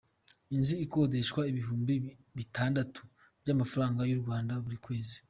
Inzu ikodeshwa ibihumbi bitandatu by’amafaranga y’u Rwanda buri kwezi.